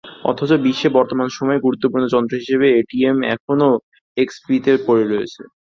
অথচ বিশ্বে বর্তমান সময়ে গুরুত্বপূর্ণ যন্ত্র হিসেবে এটিএম এখনও এক্সপিতে পড়ে রয়েছে।